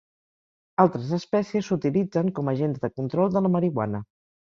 Altres espècies s'utilitzen com agents de control de la marihuana.